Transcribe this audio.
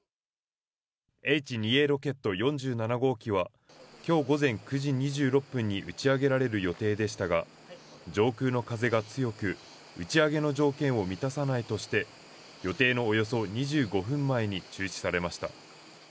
Ｈ２Ａロケット４７号機は、きょう午前９時２６分に打ち上げられる予定でしたが、上空の風が強く、打ち上げの条件を満たさないとして、予定のおよそ２５分前に中止されました。